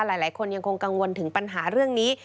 หลายคนยังคงกังวลถึงปัญหาเรื่องนี้